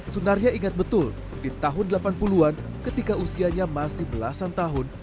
sunarya ingat betul di tahun delapan puluh an ketika usianya masih belasan tahun